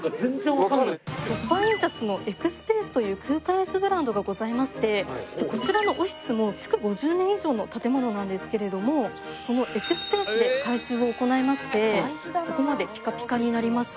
凸版印刷のｅｘｐａｃｅという空間演出ブランドがございましてこちらのオフィスも築５０年以上の建物なんですけれどもそのエクスペースで改修を行いましてここまでピカピカになりました。